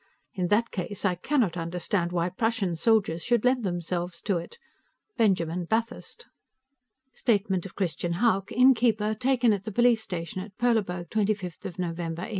In that case, I cannot understand why Prussian soldiers should lend themselves to it. Benjamin Bathurst (Statement of Christian Hauck, innkeeper, taken at the police station at Perleburg, 25 November, 1809.)